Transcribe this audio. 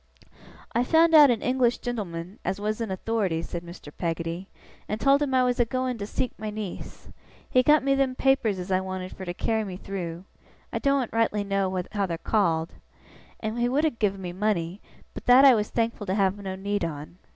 'I found out an English gen'leman as was in authority,' said Mr. Peggotty, 'and told him I was a going to seek my niece. He got me them papers as I wanted fur to carry me through I doen't rightly know how they're called and he would have give me money, but that I was thankful to have no need on.